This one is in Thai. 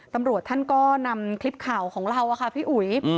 ตำรวจท่านก็นำคลิปข่าวของเราค่ะพี่อุ๋ย